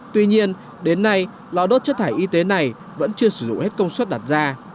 tuy nhiên đến nay lò đốt chất thải y tế này vẫn chưa sử dụng hết công suất đặt ra